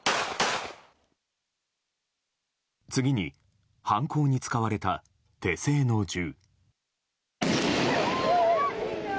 次に犯行に使われた手製の銃。